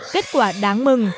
kết quả đáng mừng